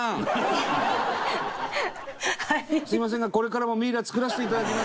伊達：すみませんが、これからもミイラ、作らせていただきます！